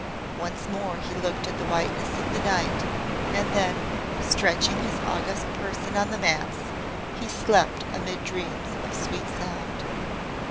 Once more he looked at the whiteness of the night, and then, stretching his august person on the mats, he slept amid dreams of sweet sound.